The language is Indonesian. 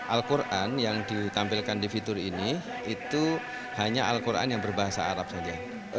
al quran yang ditampilkan di fitur ini itu hanya al quran yang berbahasa arab saja